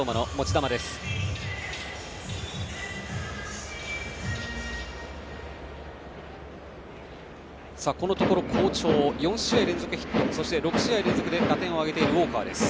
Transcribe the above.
打席は、このところ好調４試合連続ヒットそして６試合連続で打点を挙げているウォーカーです。